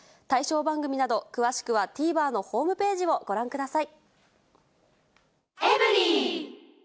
対象番組など、詳しくはＴＶｅｒのホームページをご覧ください。